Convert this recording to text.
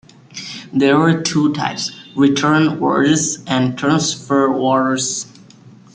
There are two types; return orders and transfer orders.